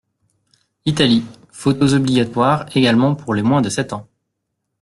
Italie : photos obligatoires également pour les moins de sept ans.